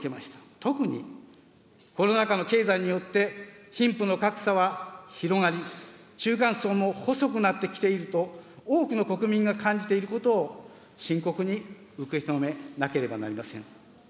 特に、コロナ禍の経済によって、貧富の格差は広がり、中間層も細くなってきていると、多くの国民が感じていることを深刻に受け止めなければなりません。